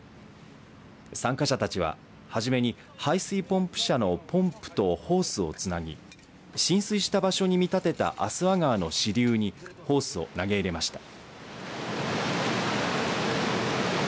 参加者たちは、はじめに排水ポンプ車のポンプとホースをつなぎ浸水した場所に見立てた足羽川の支流にホースを投げ入れました。